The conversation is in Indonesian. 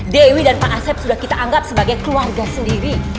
dewi dan pak asep sudah kita anggap sebagai keluarga sendiri